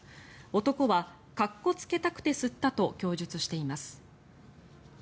男はかっこつけたくて吸ったと供述しています。